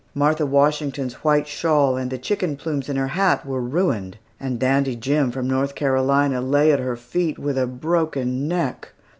Martha Washington's white shawl and the chicken plumes in her hat were ruined; and Dandy Jim from North Carolina lay at her feet with a broken neck!